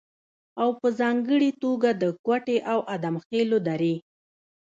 او په ځانګړې توګه د کوټې او ادم خېلو درې